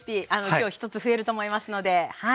今日１つ増えると思いますのではい。